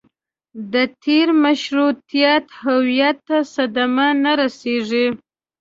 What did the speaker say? د تېر مشروطیت هویت ته صدمه نه رسېږي.